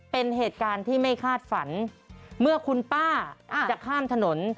เป็นเหตุการณ์ที่ไม่คาดฝันเมื่อคุณป้าจะข้ามถนน